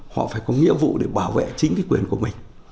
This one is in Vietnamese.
họ phải có nghĩa vụ để bảo vệ chính cái quyền của mình